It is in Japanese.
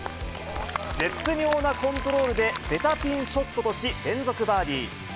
絶妙なコントロールで、ベタピンショットとし、連続バーディー。